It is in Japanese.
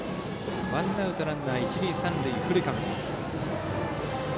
ワンアウトランナー、一塁三塁フルカウント。